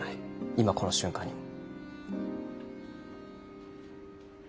今この瞬間にも。